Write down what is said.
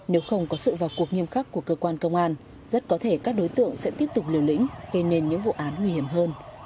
nếu không có sự vào cuộc nghiêm khắc của cơ quan công an rất có thể các đối tượng sẽ tiếp tục liều lĩnh gây nên những vụ án nguy hiểm hơn